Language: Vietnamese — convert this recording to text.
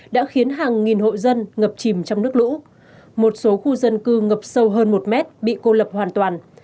đã khiến hàng nghìn hội dân ngập chìm trong nước lũ một số khu dân cư ngập sâu hơn một mét bị cô lập hoàn toàn